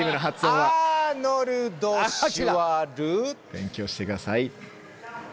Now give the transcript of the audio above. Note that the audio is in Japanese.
勉強してください。